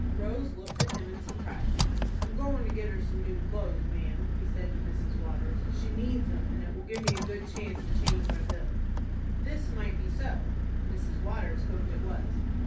Rose looked at him in surprise. "I'm goin' to get her some new clothes, ma'am," he said to Mrs. Waters. "She needs 'em, and it will give me a good chance to change my bill." This might be so. Mrs. Waters hoped it was.